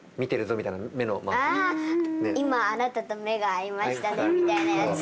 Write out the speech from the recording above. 今あなたと目が合いましたねみたいなやつ。